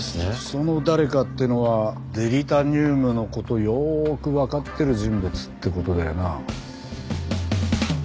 その誰かってのはデリタニウムの事よーくわかってる人物って事だよな。